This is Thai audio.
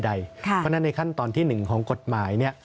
เพราะฉะนั้นในขั้นตอนที่๑ของกฎหมายเนี่ย